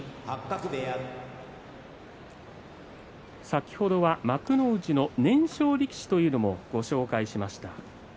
先ほどは幕内の年少力士をご紹介しました。